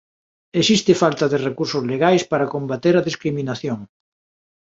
Existe falta de recursos legais para combater a discriminación.